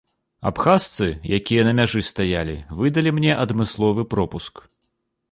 Абхазцы, якія на мяжы стаялі, выдалі мне адмысловы пропуск.